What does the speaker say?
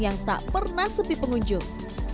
yang tak pernah sepi pengunjung